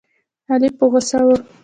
علي په غوسه و.